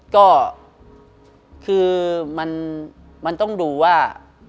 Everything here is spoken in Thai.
ก็คือมันต้องดูว่า